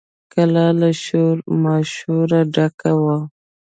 کلا له شور ماشوره ډکه وه.